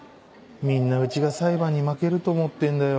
みんなうちが裁判に負けると思ってんだよ。